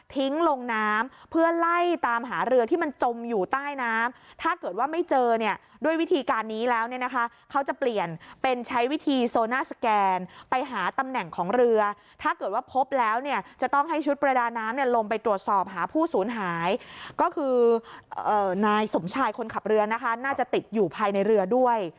ลงน้ำเพื่อไล่ตามหาเรือที่มันจมอยู่ใต้น้ำถ้าเกิดว่าไม่เจอเนี่ยด้วยวิธีการนี้แล้วเนี่ยนะคะเขาจะเปลี่ยนเป็นใช้วิธีโซน่าสแกนไปหาตำแหน่งของเรือถ้าเกิดว่าพบแล้วเนี่ยจะต้องให้ชุดประดาน้ำเนี่ยลงไปตรวจสอบหาผู้สูญหายก็คือนายสมชายคนขับเรือนะคะน่าจะติดอยู่ภายในเรือด้วย